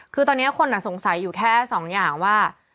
คือตอนนี้คนสงสัยอยู่แค่สองอย่างว่า